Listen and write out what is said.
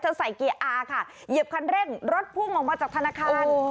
ใส่เกียร์อาค่ะเหยียบคันเร่งรถพุ่งออกมาจากธนาคาร